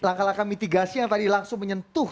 laka laka mitigasi yang tadi langsung menyentuh